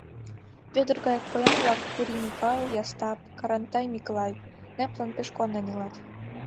Вӧдыр гаяк поян-влак — Кури Микал, Ястап, Карантай Миклай — нэплан пеш куанен илат.